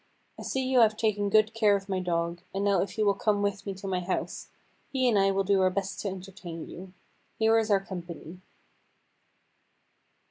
I see you have taken good care of my dog, and now if you will come with me to my house, he and I will do our best to entertain you. Here is our company."